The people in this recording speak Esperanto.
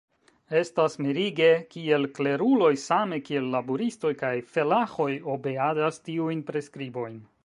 Estas mirige, kiel kleruloj same kiel laboristoj kaj felaĥoj obeadas tiujn preskribojn.